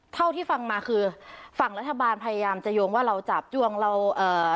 เท่าที่ฟังมาคือฝั่งรัฐบาลพยายามจะโยงว่าเราจับโยงเราเอ่อ